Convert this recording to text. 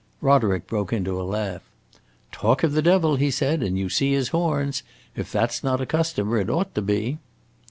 Roderick broke into a laugh. "Talk of the devil," he said, "and you see his horns! If that 's not a customer, it ought to be."